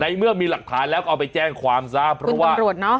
เมื่อมีหลักฐานแล้วก็เอาไปแจ้งความซะเพราะว่าตำรวจเนาะ